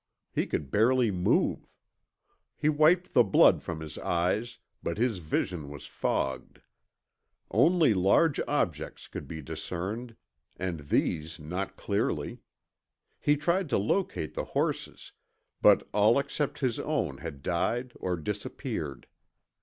He could barely move. He wiped the blood from his eyes, but his vision was fogged. Only large objects could be discerned, and these not clearly. He tried to locate the horses, but all except his own had died or disappeared.